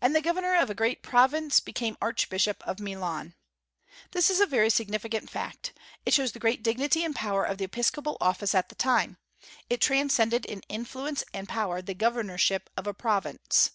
And the governor of a great province became archbishop of Milan. This is a very significant fact. It shows the great dignity and power of the episcopal office at that time: it transcended in influence and power the governorship of a province.